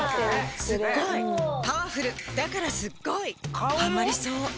すっごいパワフルだからすっごいハマりそう